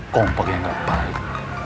komplik yang gak baik